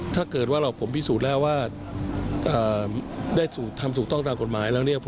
ถ้าเกิดว่าเราผมพิสูจน์แล้วว่าอ่าเล็ตุทานสู่ต้องกตามกฎหมายแล้วเนี่ย